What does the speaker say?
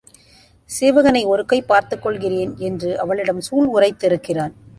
சீவகனை ஒரு கை பார்த்துக் கொள்கிறேன் என்று அவளிடம் சூள் உரைத்து இருக்கிறான்.